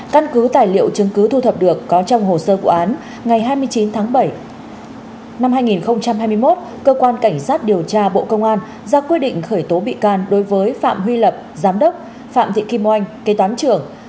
căn cứ tài liệu chứng cứ thu thập được có trong hồ sơ vụ án ngày hai mươi chín tháng bảy năm hai nghìn hai mươi một cơ quan cảnh sát điều tra bộ công an ra quyết định khởi tố bị can đối với phạm huy lập giám đốc phạm thị kim oanh kế toán trưởng